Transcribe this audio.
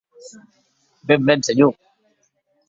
Ben, ben, senhor!